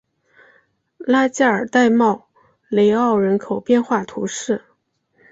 拉加尔代帕雷奥人口变化图示